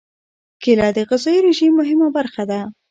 کېله د غذايي رژیم مهمه برخه ده.